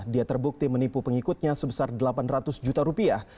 dia terbukti menipu pengikutnya sebesar delapan ratus juta rupiah